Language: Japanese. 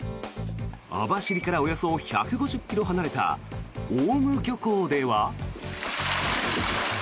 網走からおよそ１５０ｋｍ離れた雄武漁港では。